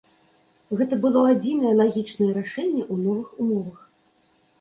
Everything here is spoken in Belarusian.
Гэта было адзінае лагічнае рашэнне ў новых умовах.